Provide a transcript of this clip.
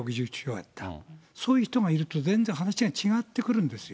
そういう人がいると、全然話が違ってくるんですよ。